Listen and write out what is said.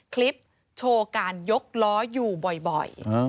คลิปโชว์การยกล้ออยู่บ่อย